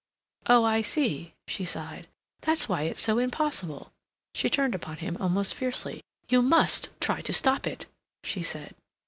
"Oh, I see," she sighed. "That's why it's so impossible." She turned upon him almost fiercely. "You must try to stop it," she said.